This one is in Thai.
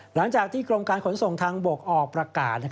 หลังจากที่กรมการขนส่งทางบกออกประกาศ